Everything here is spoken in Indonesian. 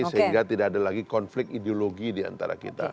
sehingga tidak ada lagi konflik ideologi diantara kita